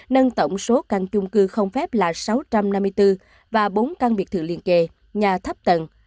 nâng tổng số căn chung cư không phép là sáu trăm năm mươi bốn và bốn căn biệt thự liên kề nhà thấp tầng